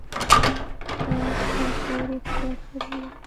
ایا ستاسو روغتیا ښه نه ده؟